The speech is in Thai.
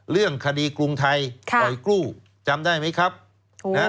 เรื่องคดีกรุงไทยปล่อยกู้จำได้ไหมครับนะฮะ